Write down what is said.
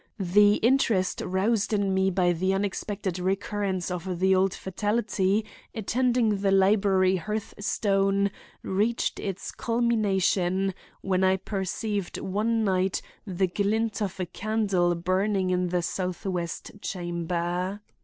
The interest roused in me by the unexpected recurrence of the old fatality attending the library hearthstone reached its culmination when I perceived one night the glint of a candle burning in the southwest chamber.